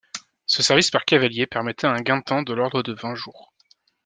Ce service par cavaliers permettait un gain de temps de l'ordre de vingt jours.